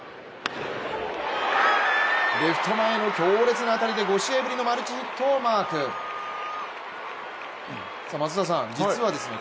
レフト前の強烈な当たりで５試合ぶりのマルチヒットをマーク松田さん、実はですね